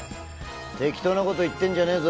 適当なこと言ってんじゃねえぞ